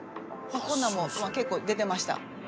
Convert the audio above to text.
こんなんも結構出てました。